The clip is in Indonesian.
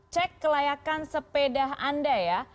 cek kelayakan sepeda anda ya